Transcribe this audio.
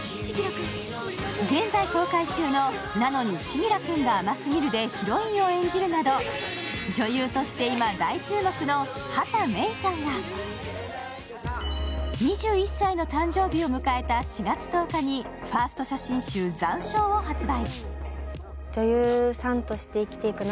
現在公開中の「なのに、千輝くんが甘すぎる」でヒロインを演じるなど女優として今大注目の畑芽育さんが、２１歳の誕生日を迎えた４月１０日にファースト写真集「残照」を発売。